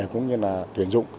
cũng như là tuyển dụng